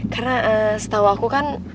karena setau aku kan